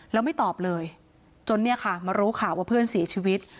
แล้วไม่ตอบเลยจนเนี่ยค่ะมารู้ข่าวว่าเพื่อนเสียชีวิต